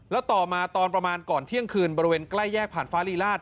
แล้วต่อมาตอนประมาณก่อนเที่ยงคืนบริเวณใกล้แยกผ่านฟ้ารีราช